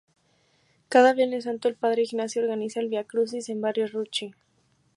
Cada Viernes Santo el Padre Ignacio organiza el viacrucis en Barrio Rucci.